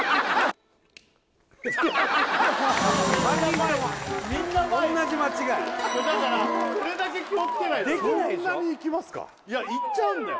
前みんな前同じ間違いだからそれだけ気をつけないとそんなに行きますかいや行っちゃうんだよ